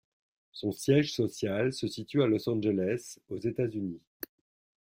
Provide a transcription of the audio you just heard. Son siège social se situe à Los Angeles, aux États-Unis.